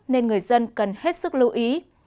nên người dân cần hết sức lưu ý